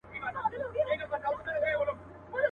سرکار وايی لا اوسی خامخا په کرنتین کي.